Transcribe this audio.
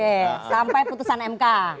tapi kalau misalnya putusan mk